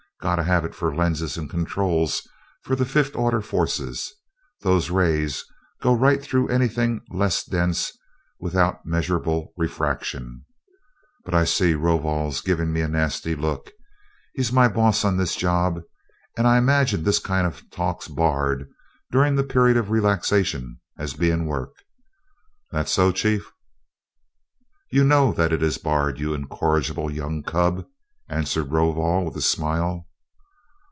Got to have it for lenses and controls for the fifth order forces. Those rays go right through anything less dense without measurable refraction. But I see Rovol's giving me a nasty look. He's my boss on this job, and I imagine this kind of talk's barred during the period of relaxation, as being work. That so, chief?" "You know that it is barred, you incorrigible young cub!" answered Rovol, with a smile.